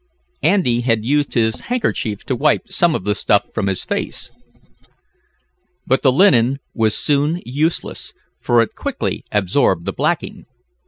Andy had used his handkerchief to wipe some of the stuff from his face, but the linen was soon useless, for it quickly absorbed the blacking.